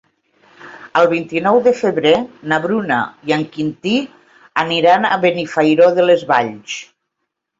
El vint-i-nou de febrer na Bruna i en Quintí aniran a Benifairó de les Valls.